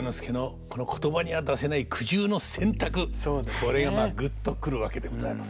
これがぐっと来るわけでございます。